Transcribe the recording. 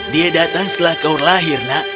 dia datang setelah kau lahir nak